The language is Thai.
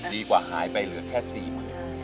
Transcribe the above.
ดีกว่าหายไปเหลือแค่สี่หมื่นใช่